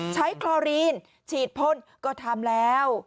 คลอรีนฉีดพ่นก็ทำแล้ว